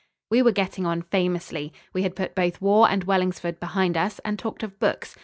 We were getting on famously. We had put both war and Wellingsford behind us, and talked of books.